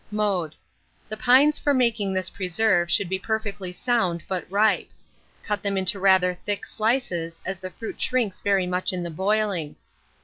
Mode. The pines for making this preserve should be perfectly sound but ripe. Cut them into rather thick slices, as the fruit shrinks very much in the boiling.